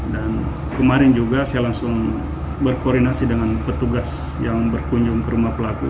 dan kemarin juga saya langsung berkoordinasi dengan petugas yang berkunjung ke rumah pelaku